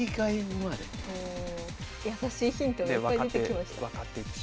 やさしいヒントがいっぱい出てきました。